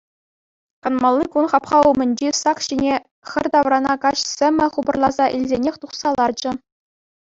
Канмалли кун хапха умӗнчи сак ҫине хӗр таврана каҫ сӗмӗ хупӑрласа илсенех тухса ларчӗ.